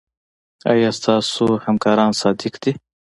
ایا ستاسو همکاران صادق دي؟